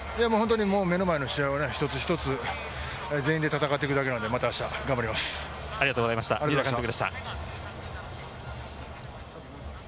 目の前の試合を一つ一つ全力で戦っていくだけなので、また明日、頑張ります。